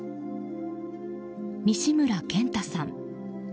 西村賢太さん。